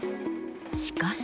しかし。